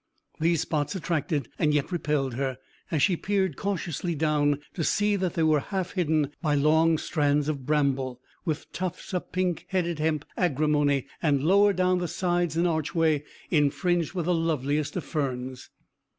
These spots attracted and yet repelled her, as she peered cautiously down, to see that they were half hidden by long strands of bramble, with tufts of pink headed hemp agrimony, and lower down the sides and archway infringed with the loveliest of ferns.